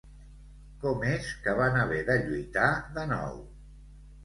Com és que van haver de lluitar de nou?